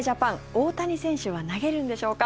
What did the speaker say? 大谷選手は投げるんでしょうか。